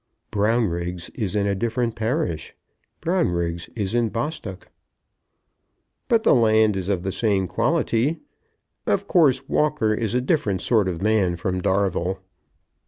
"Brownriggs is in a different parish. Brownriggs is in Bostock." "But the land is of the same quality. Of course Walker is a different sort of man from Darvell.